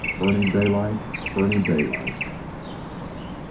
Burning daylight! Burning daylight!"